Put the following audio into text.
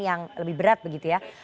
yang lebih berat begitu ya